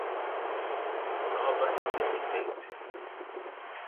Nova Independência